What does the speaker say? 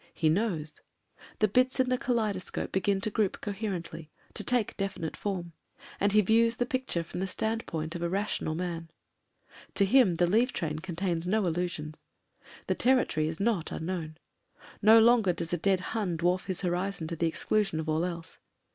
He knows. The bits in the kaleidoscope begin to group coherently, to take definite form, and he views the picture from the standpoint of a rational man. To him the leave train contains no illusions; the territory is not un known. No longer does a dead Hun dwarf his horizon to the exclusion of all else.